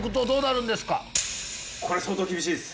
これ相当厳しいです。